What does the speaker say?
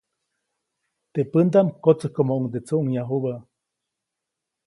Teʼ pändaʼm kotsäjkomoʼuŋde tsuʼŋyajubä.